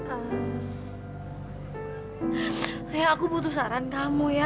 eh aku butuh saran kamu ya